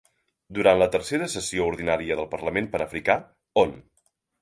Durant la tercera sessió ordinària del parlament panafricà, Hon.